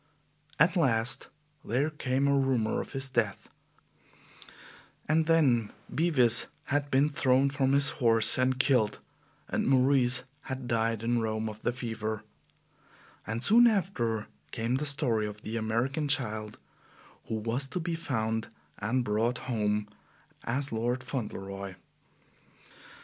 At last there came a rumor of his death, and then Bevis had been thrown from his horse and killed, and Maurice had died in Rome of the fever; and soon after came the story of the American child who was to be found and brought home as Lord Fauntleroy.